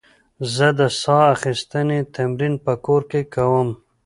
زه د ساه اخیستنې تمرین په کور کې کوم.